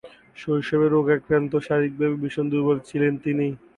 শৈশবে রোগাক্রান্ত ও শারীরিকভাবে ভীষণ দূর্বল ছিলেন তিনি।